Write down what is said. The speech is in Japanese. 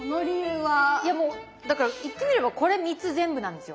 いやもうだから言ってみればこれ３つ全部なんですよ。